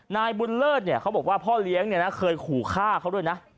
นายบุญเลิศเนี่ยเขาบอกว่าพ่อเลี้ยงเนี่ยนะเคยขู่ฆ่าเขาด้วยนะ